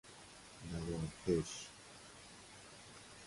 نوار کش